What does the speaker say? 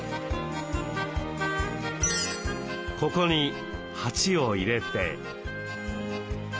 ここに鉢を入れて。